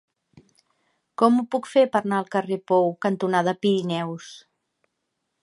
Com ho puc fer per anar al carrer Pou cantonada Pirineus?